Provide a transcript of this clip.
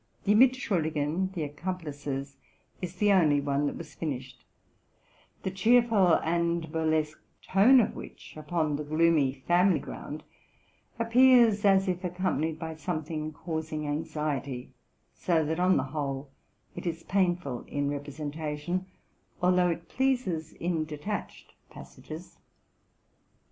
' Die Mitsehuldi gen"' «é The Accomplices'') is the only one that was finished, the cheerful and burlesque tone of which upon the gloomy family ground appears as if accompanied by some thing causing anxiety ; so that, on the whole, it is painful in representation, although it pleases in detached passages.